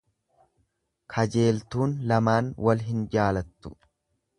Kajeeltuun lamaan wal hin jaalattu.